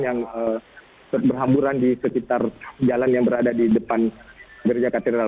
yang berhamburan di sekitar jalan yang berada di depan gereja katedral